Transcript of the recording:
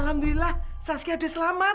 alhamdulillah saskia sudah selamat